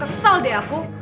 kesel deh aku